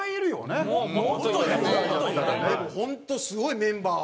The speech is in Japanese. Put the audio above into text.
でも本当すごいメンバー。